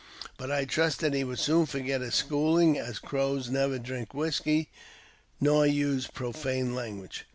But I trusted he would soon forget his schooling, as the Crows never drink whisky, nor use proT fane language.